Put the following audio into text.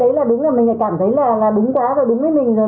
cái đấy là đúng là mình cảm thấy là đúng quá rồi đúng với mình rồi